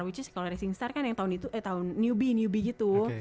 which is kalau racing star kan yang tahun itu eh tahun newbie newbie gitu